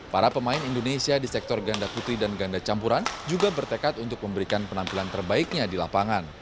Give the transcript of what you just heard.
para pemain indonesia di sektor ganda putri dan ganda campuran juga bertekad untuk memberikan penampilan terbaiknya di lapangan